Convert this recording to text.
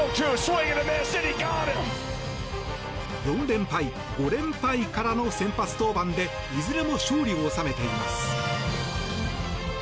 ４連敗、５連敗からの先発登板でいずれも勝利を収めています。